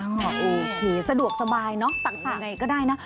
โอเคสะดวกสบายเนอะสั่งทางไหนก็ได้นะ